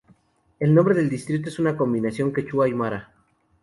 El nombre del distrito es una combinación quechua Aimara.